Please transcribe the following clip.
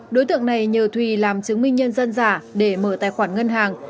đối tượng này nhờ thùy làm chứng minh nhân dân giả để mở tài khoản ngân hàng